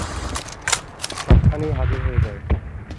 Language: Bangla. সবখানে হাজির হয়ে যায়।